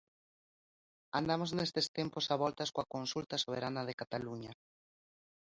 Andamos nestes tempos a voltas coa consulta soberana de Cataluña.